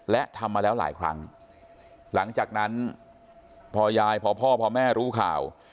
และทำมาแล้วหลายครั้งหลังจากนั้นพอยายพอพ่อพอแม่รู้ข่าว